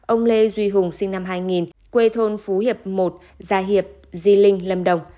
ông lê duy hùng sinh năm hai nghìn quê thôn phú hiệp một gia hiệp di linh lâm đồng